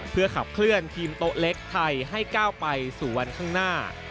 เพื่อขับเคลื่อนทีมโต๊ะเล็กไทยให้ก้าวไปสู่วันข้างหน้า